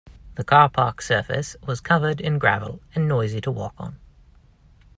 The car park surface was covered in gravel and noisy to walk on.